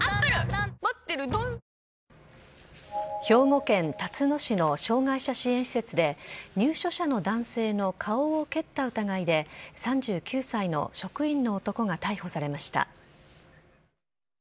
兵庫県たつの市の障害者支援施設で入所者の男性の顔を蹴った疑いで、３９歳の職員の男が逮捕されました。